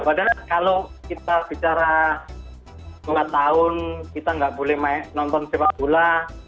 padahal kalau kita bicara lima tahun kita nggak boleh nonton sepak bola